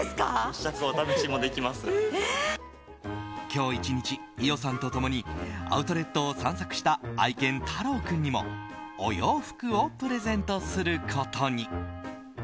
今日１日、伊代さんと共にアウトレットを散策した愛犬タロウ君にもお洋服をプレゼントすることに。